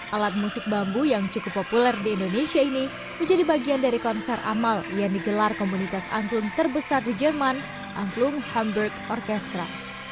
alat musik bambu yang cukup populer di indonesia ini menjadi bagian dari konser amal yang digelar komunitas angklung terbesar di jerman angklung hamburg orkestra